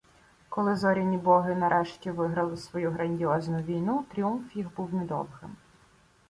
Коли зоряні боги, нарешті, виграли свою грандіозну війну, тріумф їх був недовгим.